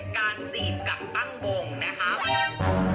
การจีบกับตั้งวงนะครับ